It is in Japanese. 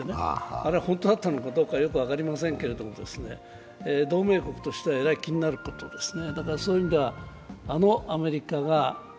あれは本当だったのかよく分かりませんけれども、同盟国としてはえらい気になることですね。